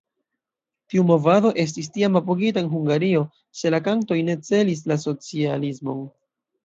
Tiu movado estis tiam apogita en Hungario, se la kantoj ne celis la socialismon.